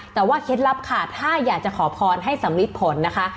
แต่ว่าเคล็ดลับค่ะถ้าอยากจะขอพรให้สำลิดผลนะคะ